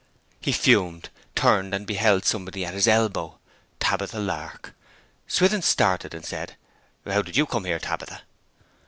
He fumed, turned, and behold somebody was at his elbow: Tabitha Lark. Swithin started, and said, 'How did you come here, Tabitha?'